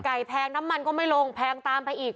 แพงน้ำมันก็ไม่ลงแพงตามไปอีก